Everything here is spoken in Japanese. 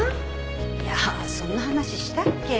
いやそんな話したっけ？